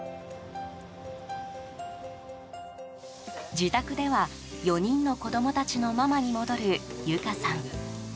自宅では、４人の子供たちのママに戻る由香さん。